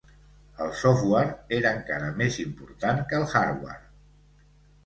El software era encara més important que el hardware.